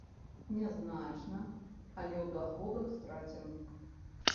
Нязначна, але ў даходах страцім.